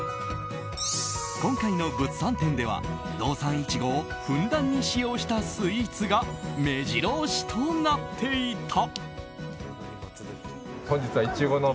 今回の物産展では道産イチゴをふんだんに使用したスイーツが目白押しとなっていた。